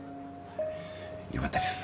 よかったです。